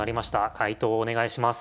解答お願いします。